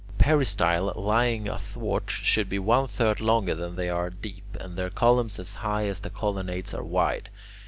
Peristyles, lying athwart, should be one third longer than they are deep, and their columns as high as the colonnades are wide.